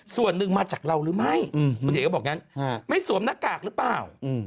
ส่วนหนึ่งมาจากเราหรือไม่เดี๋ยวก็บอกอย่างนั้นไม่สวมนักกากหรือเปล่า